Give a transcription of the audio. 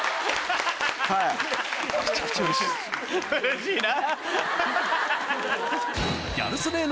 うれしいな。